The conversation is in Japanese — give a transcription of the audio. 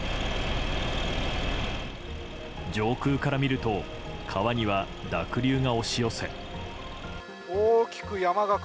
上空から見ると川には濁流が押し寄せ。